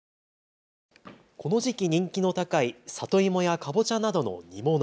この時期、人気の高い里芋やかぼちゃなどの煮物。